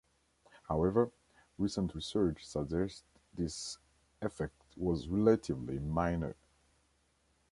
However, recent research suggests this effect was relatively minor.